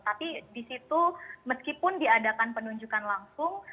tapi di situ meskipun diadakan penunjukan langsung